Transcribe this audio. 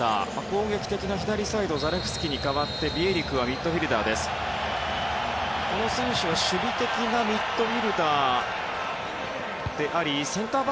攻撃的な左サイドのザレフスキに代わってビエリクはミッドフィールダー。